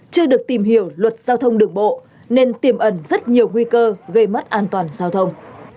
chưa được tìm hiểu luật giao thông đường bộ nên tiềm ẩn rất nhiều nguy cơ gây mất an toàn giao thông